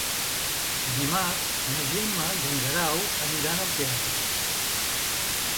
Dimarts na Gemma i en Guerau aniran al teatre.